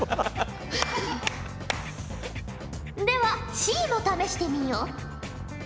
ではＣも試してみよ。